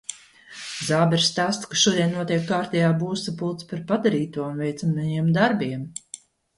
Zābers stāsta, ka šodien notiek kārtējā būvsapulce par padarīto un veicamajiem darbiem.